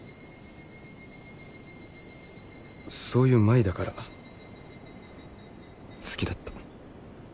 そういう舞だから好きだった。